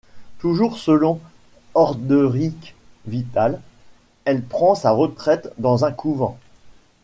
Toujours selon Orderic Vital, elle prend sa retraite dans un couvent.